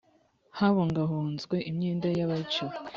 habungabunzwe imyenda y’ abahiciwe.